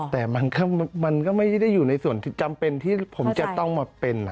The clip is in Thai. แต่มันก็ไม่ได้อยู่ในส่วนจำเป็นที่ผมจะต้องมาเป็น